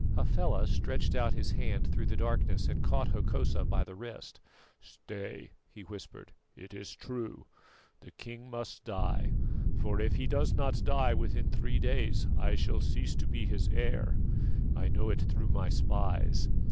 Hafela stretched out his hand through the darkness, and caught Hokosa by the wrist. "Stay," he whispered, "it is true. The king must die; for if he does not die within three days, I shall cease to be his heir. I know it through my spies.